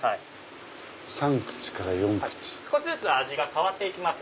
少しずつ味が変わって行きます。